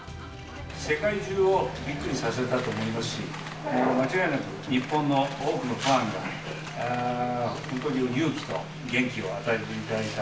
世界中をびっくりさせたと思いますし、間違いなく日本の多くのファンに、勇気と元気を与えていただいた。